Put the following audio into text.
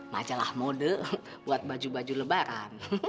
bacalah mode buat baju baju lebaran